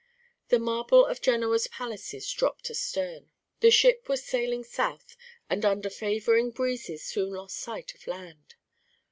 The marble of Genoa's palaces dropped astern. The ship was sailing south, and under favoring breezes soon lost sight of land.